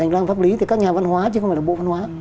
hành lang pháp lý thì các nhà văn hóa chứ không phải là bộ văn hóa